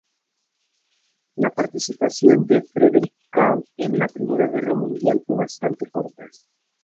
La participación del "Friedrich Carl" en la Primera Guerra Mundial fue bastante corta.